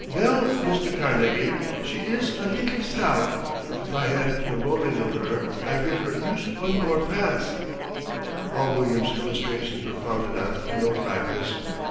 "Vell, Mr. Carnegie, she is a leetle stout. If I had the rolling of her I give her yust one more pass." All William's illustrations were founded on mill practice.